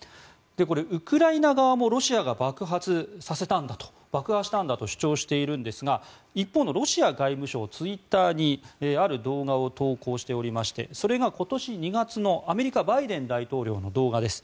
これ、ウクライナ側もロシアが爆発させたんだと爆破したんだと主張しているんですが一方、ロシア外務省がツイッターにある動画を投稿しておりましてそれが今年２月のアメリカバイデン大統領の動画です。